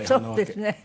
そうですね。